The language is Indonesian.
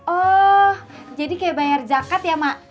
oh jadi kayak bayar zakat ya mak